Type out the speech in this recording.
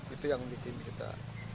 itu yang bikin kita